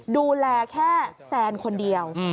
ดูแลแค่แซนคนเดียว